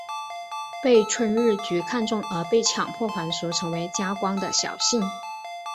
被春日局看中而被强迫还俗成为家光的小姓。